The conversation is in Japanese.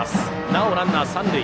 なおランナーは三塁。